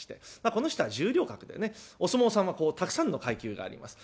この人は十両格でねお相撲さんはたくさんの階級があります。